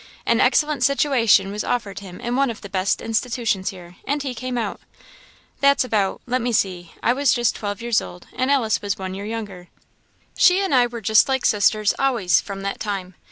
An excellent situation was offered him in one of the best institutions here, and he came out. That's about let me see I was just twelve years old, and Alice was one year younger. She and I were just like sisters always from that time.